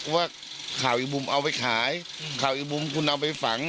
เพราะว่าข่าวอีกมุมเอาไปขายข่าวอีกมุมคุณเอาไปฝัง